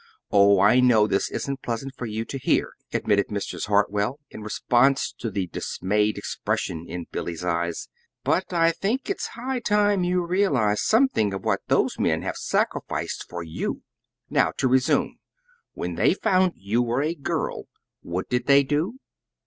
Oh, I know this isn't pleasant for you to hear," admitted Mrs. Hartwell, in response to the dismayed expression in Billy's eyes; "but I think it's high time you realize something of what those men have sacrificed for you. Now, to resume. When they found you were a girl, what did they do?